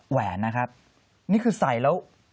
แหวนนะครับนี่คือใส่แล้ว